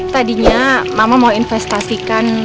tadinya mama mau investasikan